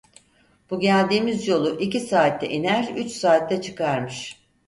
Bu geldiğimiz yolu iki saatte iner, üç saatte çıkarmış.